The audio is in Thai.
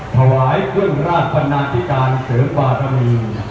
ถวายเครื่องราชบรรณาธิการเสริมบารมี